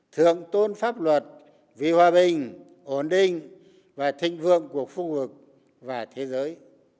thượng tôn pháp luật vì hòa bình ổn định và thịnh vượng của khu vực và thế giới